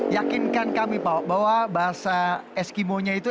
yakinkan kami pak bahwa bahasa eskimo nya itu